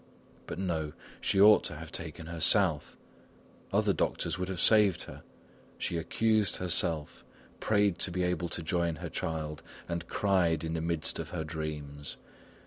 But no! she ought to have taken her South. Other doctors would have saved her. She accused herself, prayed to be able to join her child, and cried in the midst of her dreams.